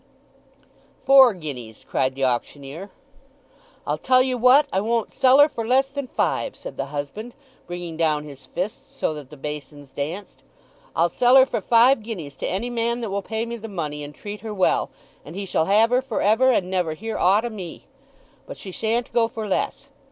"Four guineas!" cried the auctioneer. "I'll tell ye what—I won't sell her for less than five," said the husband, bringing down his fist so that the basins danced. "I'll sell her for five guineas to any man that will pay me the money, and treat her well; and he shall have her for ever, and never hear aught o' me. But she shan't go for less.